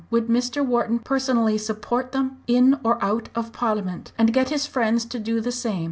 Would Mr. Wharton personally support them, in or out of Parliament, and get his friends to do the same?